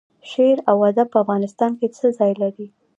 شعر او ادب په افغانستان کې څه ځای لري؟